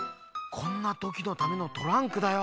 こんなときのためのトランクだよ。